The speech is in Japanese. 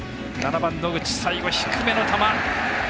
７番野口、最後低めの球。